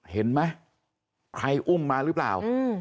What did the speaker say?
เห็นไหมใครอุ้มมาหรือเปล่า